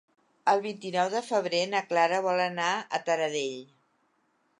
El vint-i-nou de febrer na Clara vol anar a Taradell.